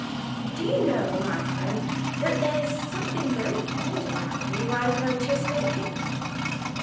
"Do you know, my friend, that there's something very odd about you I've noticed lately?